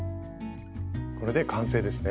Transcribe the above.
これで完成ですね。